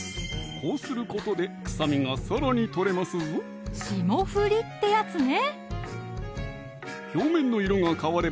こうすることで臭みがさらにとれますぞ霜降りってやつね